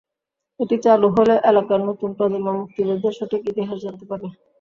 এটি চালু হলে এলাকার নতুন প্রজন্ম মুক্তিযুদ্ধের সঠিক ইতিহাস জানতে পারবে।